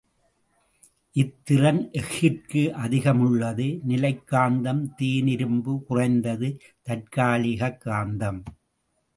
இத்திறன் எஃகிற்கு அதிகமுள்ளது நிலைக் காந்தம் தேனிரும்பு குறைந்தது தற்காலிகக் காந்தம்.